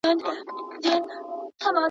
د ټولنيزو ځواکونو ترمنځ همږغي رامنځته کړئ.